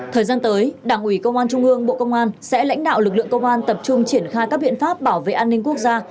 thời gian tới đảng ủy công an trung ương bộ công an sẽ lãnh đạo lực lượng công an tập trung triển khai các biện pháp bảo vệ an ninh quốc gia